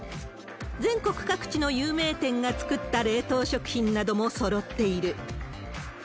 全国各地の有名店が作った冷凍食品などもそろっている。